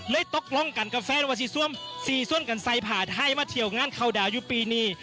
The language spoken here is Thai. และตกล้องกันกับแฟนวัฒนศีลส่วนกันไซภาทไทยมาเที่ยวงานเขาดาวอยู่ปีนี้